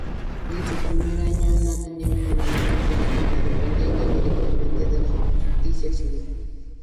En sus primeros años no tenía autonomía jurídica, dependiendo directamente de la Justicia civil.